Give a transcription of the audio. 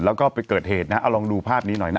แล้วก็ไปเกิดเหตุนะฮะเอาลองดูภาพนี้หน่อยนะ